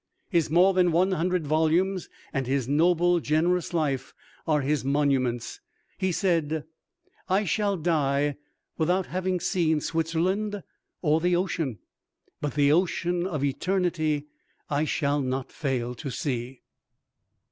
His more than one hundred volumes and his noble, generous life are his monuments. He said, "I shall die without having seen Switzerland or the ocean, but the ocean of eternity I shall not fail to see."